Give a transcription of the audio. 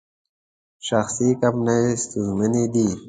شخصي کمپنۍ ستونزمنې دي.